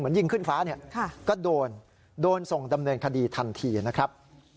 ยิงขึ้นฟ้าเนี่ยก็โดนโดนส่งดำเนินคดีทันทีนะครับ